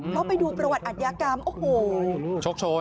เพราะไปดูประวัติอันยากรรมโอ้โฮ